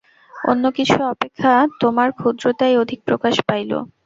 অন্য কিছু অপেক্ষা তোমার ক্ষুদ্রতাই অধিক প্রকাশ পাইল।